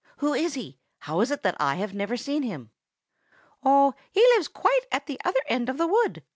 "Who is he? How is it that I have never seen him?" "Oh, he lives quite at the other end of the wood!"